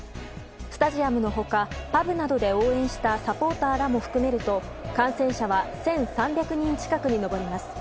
スタジアムのほかパブなどで応援したサポーターらも含めると、感染者は１３００人近くに上ります。